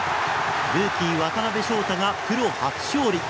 ルーキー渡辺翔太がプロ初勝利。